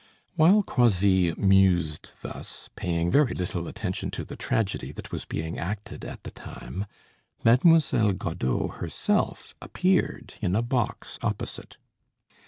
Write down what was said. While Croisilles mused thus, paying very little attention to the tragedy that was being acted at the time, Mademoiselle Godeau herself appeared in a box opposite.